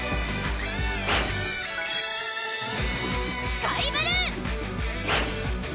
スカイブルー！